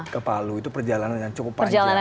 ke palu itu perjalanan yang cukup panjang